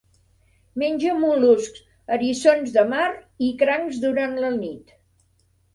Menja mol·luscs, eriçons de mar i crancs durant la nit.